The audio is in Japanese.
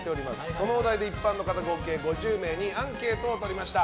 そのお題で一般の方合計５０名にアンケートを取りました。